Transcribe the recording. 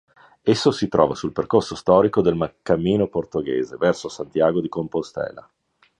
Esso si trova sul percorso storico del Cammino Portoghese verso Santiago di Compostela.